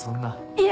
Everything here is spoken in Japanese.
いえ！